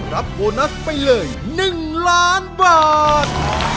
รับโบนัสไปเลยหนึ่งล้านบาท